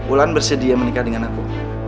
wulan bersedia menikah dengan aku